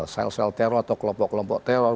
sel sel teror atau kelompok kelompok teror